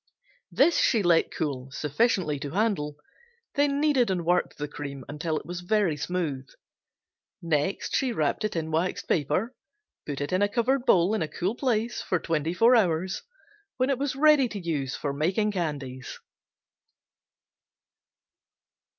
This she let cool, sufficiently to handle, then kneaded and worked the cream until it was very smooth. Next she wrapped it in waxed paper, put in a covered bowl in a cool place for twenty four hours, when it was ready to use for making candies.